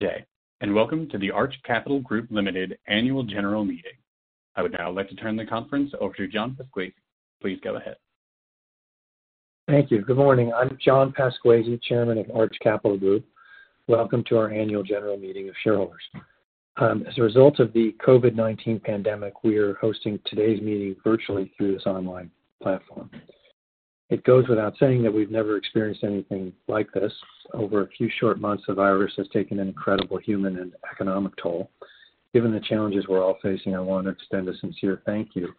day, and welcome to the Arch Capital Group Ltd. Annual General Meeting. I would now like to turn the conference over to John Pasquesi. Please go ahead. Thank you. Good morning. I'm John Pasquesi, Chairman of Arch Capital Group. Welcome to our Annual General Meeting of Shareholders. As a result of the COVID-19 pandemic, we are hosting today's meeting virtually through this online platform. It goes without saying that we've never experienced anything like this. Over a few short months, the virus has taken an incredible human and economic toll. Given the challenges we're all facing, I want to extend a sincere thank you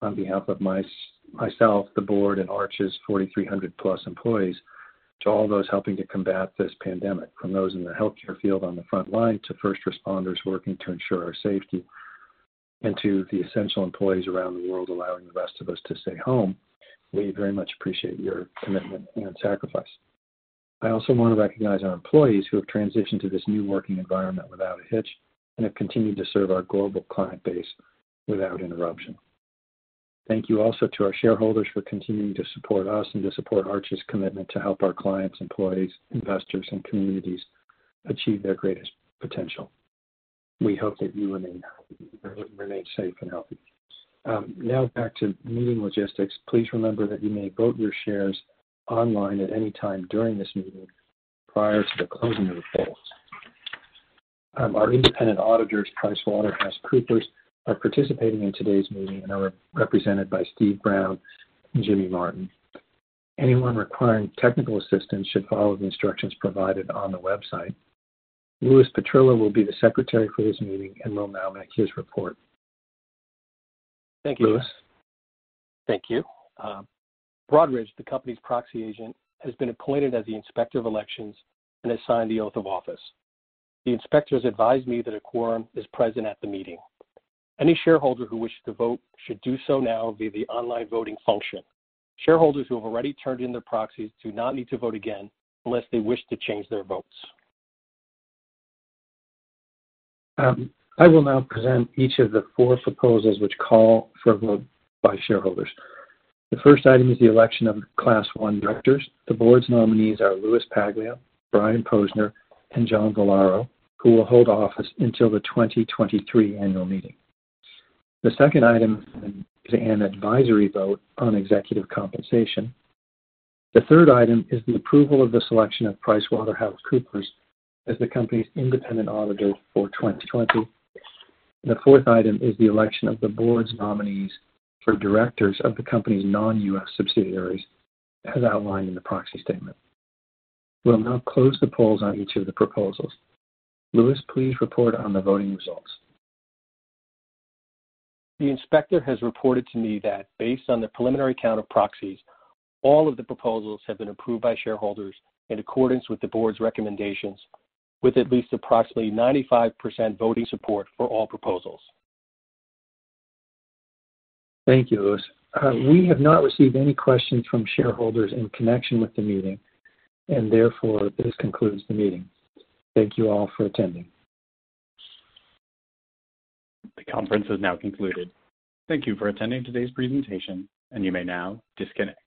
on behalf of myself, the Board, and Arch's 4,300-plus employees to all those helping to combat this pandemic, from those in the healthcare field on the front line to first responders working to ensure our safety and to the essential employees around the world allowing the rest of us to stay home. We very much appreciate your commitment and sacrifice. I also want to recognize our employees who have transitioned to this new working environment without a hitch and have continued to serve our global client base without interruption. Thank you also to our shareholders for continuing to support us and to support Arch's commitment to help our clients, employees, investors, and communities achieve their greatest potential. We hope that you remain safe and healthy. Now, back to meeting logistics. Please remember that you may vote your shares online at any time during this meeting prior to the closing of the polls. Our independent auditors, PricewaterhouseCoopers, are participating in today's meeting and are represented by Steve Brown and Jimmy Martin. Anyone requiring technical assistance should follow the instructions provided on the website. Louis Petrillo will be the secretary for this meeting and will now make his report. Thank you. Louis. Thank you. Broadridge, the company's proxy agent, has been appointed as the inspector of elections and has signed the oath of office. The inspector has advised me that a quorum is present at the meeting. Any shareholder who wishes to vote should do so now via the online voting function. Shareholders who have already turned in their proxies do not need to vote again unless they wish to change their votes. I will now present each of the four proposals which call for a vote by shareholders. The first item is the election of Class I directors. The Board's nominees are Louis Paglia, Brian Posner, and John Vollaro, who will hold office until the 2023 annual meeting. The second item is an advisory vote on executive compensation. The third item is the approval of the selection of PricewaterhouseCoopers as the company's independent auditor for 2020. The fourth item is the election of the Board's nominees for directors of the company's non-U.S. subsidiaries, as outlined in the proxy statement. We'll now close the polls on each of the proposals. Louis, please report on the voting results. The inspector has reported to me that, based on the preliminary count of proxies, all of the proposals have been approved by shareholders in accordance with the Board's recommendations, with at least approximately 95% voting support for all proposals. Thank you, Louis. We have not received any questions from shareholders in connection with the meeting, and therefore this concludes the meeting. Thank you all for attending. The conference is now concluded. Thank you for attending today's presentation, and you may now disconnect.